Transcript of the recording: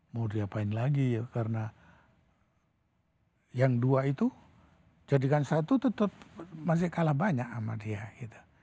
mau diapain lagi ya karena yang dua itu jadikan satu tetap masih kalah banyak sama dia gitu